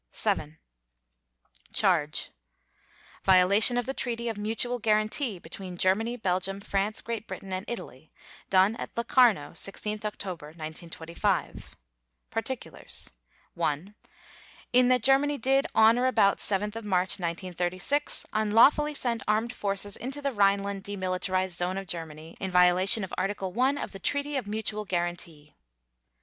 VII CHARGE: _Violation of the Treaty of Mutual Guarantee between Germany, Belgium, France, Great Britain, and Italy, done at Locarno, 16 October 1925._ PARTICULARS: (1) In that Germany did, on or about 7 March 1936, unlawfully send armed forces into the Rhineland demilitarized zone of Germany, in violation of Article 1 of the Treaty of Mutual Guarantee.